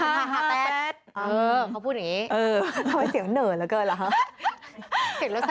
ห้าห้าแป๊บเออเขาพูดอย่างนี้เออทำไมเสียงเหนื่อยเหลือเกินหรือฮะ